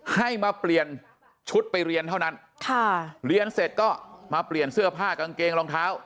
ให้มาเปลี่ยนชุดไปเรียนเท่านั้นค่ะเรียนเสร็จก็มาเปลี่ยนเสื้อผ้ากางเกงรองเท้า